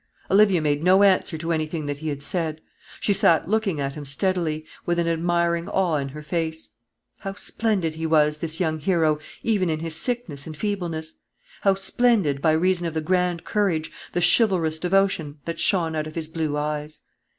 Olivia made no answer to anything that he had said. She sat looking at him steadily, with an admiring awe in her face. How splendid he was this young hero even in his sickness and feebleness! How splendid, by reason of the grand courage, the chivalrous devotion, that shone out of his blue eyes!